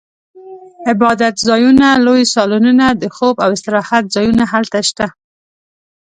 عبادتځایونه، لوی سالونونه، د خوب او استراحت ځایونه هلته شته.